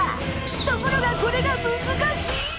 ところがこれがむずかしい！